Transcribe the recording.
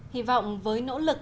hy vọng với nỗ lực